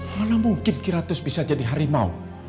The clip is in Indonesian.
mana mungkin kiratus bisa jadi harimau